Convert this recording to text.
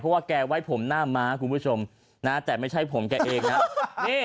เพราะว่าแกไว้ผมหน้าม้าคุณผู้ชมนะแต่ไม่ใช่ผมแกเองนะ